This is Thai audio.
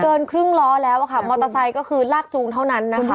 เกินครึ่งล้อแล้วอะค่ะมอเตอร์ไซค์ก็คือลากจูงเท่านั้นนะคะ